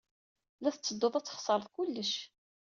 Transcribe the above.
La tetteddud ad txeṣred kullec.